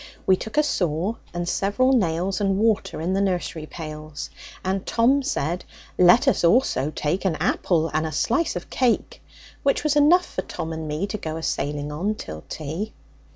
We took a saw and several nails, And water in the nursery pails; And Tom said, "Let us also take An apple and a slice of cake;" Which was enough for Tom and me To go a sailing on, till tea.